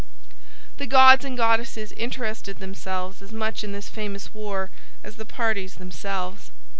The gods and goddesses interested themselves as much in this famous war as the parties themselves.